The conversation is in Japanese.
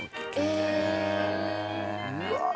うわ。